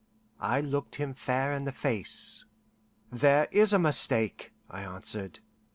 I looked him fair in the face. "There is a mistake," I answered.